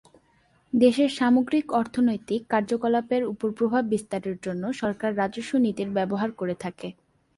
দেশের সামগ্রিক অর্থনৈতিক কার্যকলাপের উপর প্রভাব বিস্তারের জন্য সরকার রাজস্ব নীতির ব্যবহার করে থাকে।